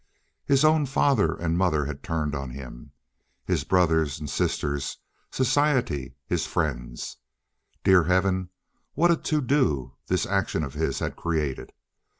His own father and mother had turned on him—his brother and sisters, society, his friends. Dear heaven, what a to do this action of his had created!